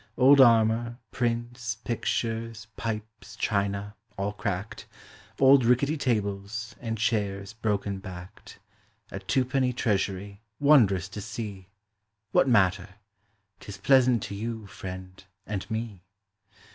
Old armor, prints, pictures, pipes, china (all cracked). Old rickety tables, and chairs broken backed; A twopenny treasury, wondrous to see; What matter? 'tis pleasant to you, friend, and me.